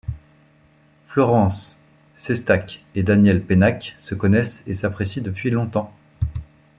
Florence Cestac et Daniel Pennac se connaissent et s'apprécient depuis longtemps.